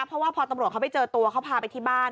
เพราะว่าพอตำรวจเขาไปเจอตัวเขาพาไปที่บ้าน